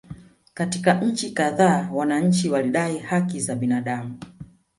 Katika nchi kadhaa wananchi walidai haki za binadamu